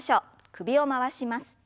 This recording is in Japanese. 首を回します。